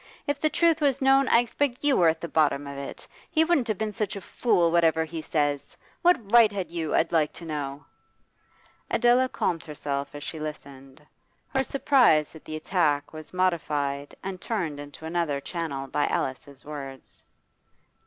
If the truth was known, I expect you were at the bottom of it; he wouldn't have been such a fool, whatever he says. What right had you, I'd like to know?' Adela calmed herself as she listened. Her surprise at the attack was modified and turned into another channel by Alice's words.